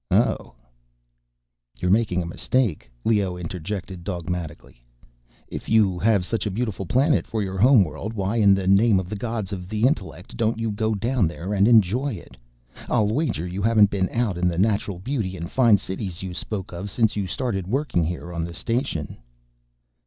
"Oh—" "You're making a mistake," Leoh interjected dogmatically. "If you have such a beautiful planet for your homeworld, why in the name of the gods of intellect don't you go down there and enjoy it? I'll wager you haven't been out in the natural beauty and fine cities you spoke of since you started working here on the station."